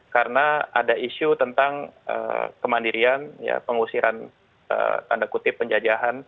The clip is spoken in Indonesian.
karena ada isu tentang kemandirian pengusiran tanda kutip penjajahan